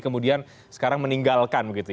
kemudian sekarang meninggalkan